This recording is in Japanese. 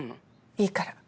いいから。